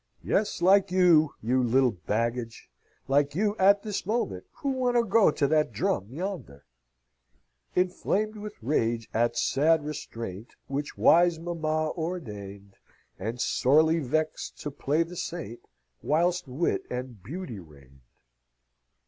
"Yes, like you, you little baggage; like you at this moment, who want to go to that drum yonder: 'Inflamed with rage at sad restraint Which wise mamma ordained, And sorely vexed to play the saint Whilst wit and beauty reigned.'"